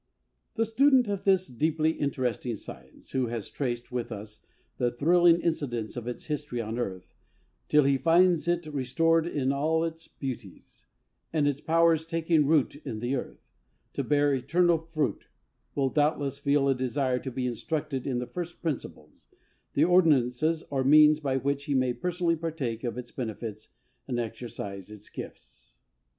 The student of this deeply interesting science, who has traced, with us, the thrilling incidents of its history on earth, till he finds it restored in all its beauties, and its powers taking root in the earth, to bear eternal fruit, will, doubtless, feel a desire to be instructed in the first principles the ordinances or means by which he may personally partake of its benefits, and exercise its gifts.